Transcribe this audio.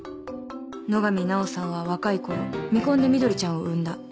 野上奈緒さんは若いころ未婚で碧ちゃんを産んだ。